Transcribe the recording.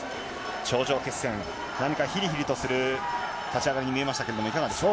頂上決戦、何かひりひりとする立ち上がりに見えましたけど、いかがですか？